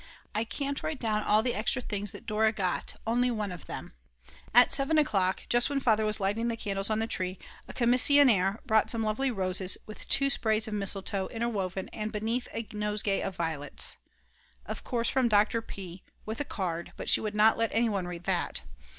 I can't write down all the extra things that Dora got, only one of them: At 7 o'clock just when Father was lighting the candles on the tree, a commissionaire brought some lovely roses with two sprays of mistletoe interwoven and beneath a nosegay of violets of course from Dr. P. with a card, but she would not let anyone read that.